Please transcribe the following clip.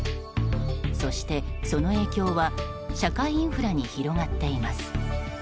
そして、その影響は社会インフラに広がっています。